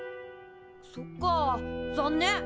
そっか残念。